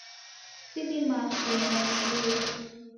Sidimaa kuenda niw'uye.